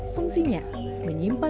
fungsinya menyimpan benang dalam kapas